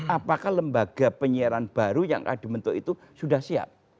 apakah lembaga penyiaran baru yang ada di bentuk itu sudah siap